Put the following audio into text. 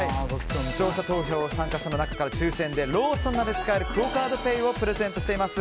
視聴者投票参加者の中から抽選でローソンなどで使えるクオ・カードペイをプレゼントしています。